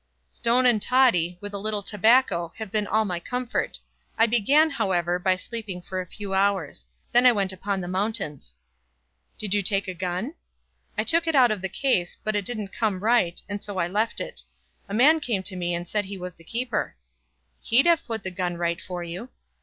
"Stone and Toddy, with a little tobacco, have been all my comfort. I began, however, by sleeping for a few hours. Then I went upon the mountains." "Did you take a gun?" "I took it out of the case, but it didn't come right, and so I left it. A man came to me and said he was the keeper." "He'd have put the gun right for you."